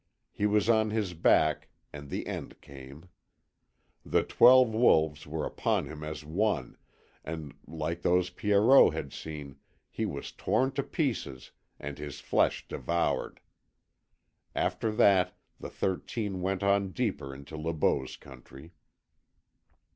He was on his back and the end came. The twelve wolves were upon him as one, and, like those Pierrot had seen, he was torn to pieces, and his flesh devoured. After that the thirteen went on deeper into Le Beau's country.